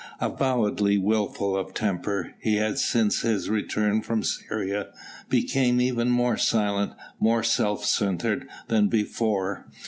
Avowedly wilful of temper, he had since his return from Syria become even more silent, more self centred than before.